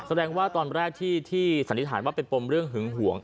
แสดงว่าตอนแรกที่สันนิษฐานว่าเป็นปมเรื่องหึงห่วง